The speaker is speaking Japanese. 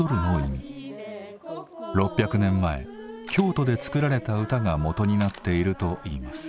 ６００年前京都で作られた歌がもとになっているといいます。